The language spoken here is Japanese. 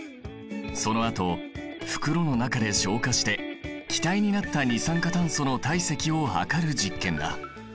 そのあと袋の中で昇華して気体になった二酸化炭素の体積を量る実験だ。